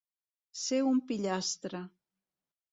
Ser un pillastre.